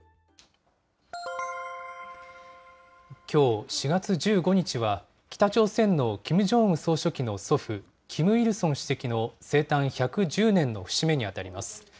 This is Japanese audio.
きょう４月１５日は、北朝鮮のキム・ジョンウン総書記の祖父、キム・イルソン主席の生誕１１０年の節目にあたります。